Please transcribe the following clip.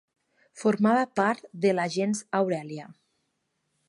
Formava part de la gens Aurèlia.